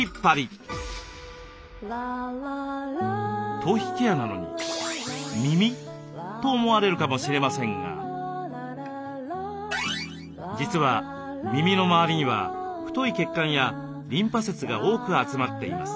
「頭皮ケアなのに耳？」と思われるかもしれませんが実は耳の周りには太い血管やリンパ節が多く集まっています。